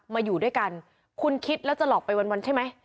อยู่ด้วยกันคุณคิดแล้วจะหลอกไปวันใช่ไหม